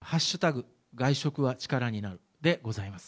外食はチカラになるでございます。